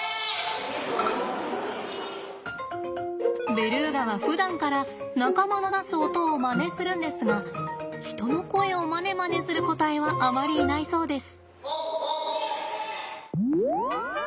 ベルーガはふだんから仲間の出す音をまねするんですが人の声をまねまねする個体はあまりいないそうです。